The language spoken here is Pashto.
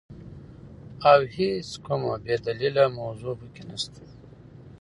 او هيڅ کومه بي دليله موضوع په کي نسته،